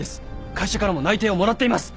会社からも内定をもらっています。